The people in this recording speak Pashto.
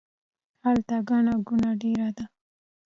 هلته ګڼه ګوڼه ډیره ده